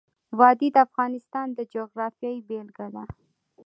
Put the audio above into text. وادي د افغانستان د جغرافیې بېلګه ده.